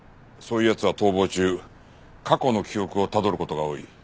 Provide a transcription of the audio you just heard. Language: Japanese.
そういう奴は逃亡中過去の記憶をたどる事が多い。